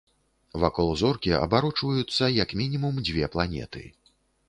Вакол зоркі абарочваюцца, як мінімум, дзве планеты.